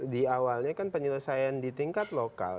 di awalnya kan penyelesaian di tingkat lokal